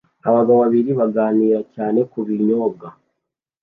Abagabo babiri baganira cyane kubinyobwa